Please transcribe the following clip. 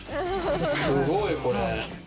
すごいこれ。